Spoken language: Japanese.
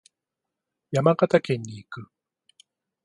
山形県に行く。